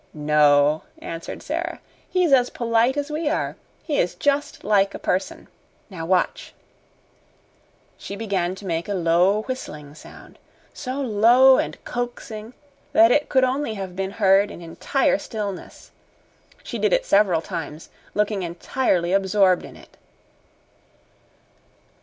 "No," answered Sara. "He's as polite as we are. He is just like a person. Now watch!" She began to make a low, whistling sound so low and coaxing that it could only have been heard in entire stillness. She did it several times, looking entirely absorbed in it.